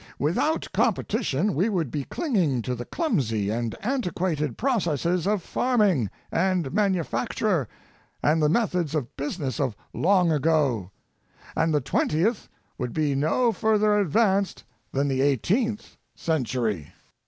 Without competition we would be clinging to the clumsy and antiquated processes of farming and manufacture and the methods of busi ness of long ago, and the twentieth would be no fur ther advanced than the eighteenth century.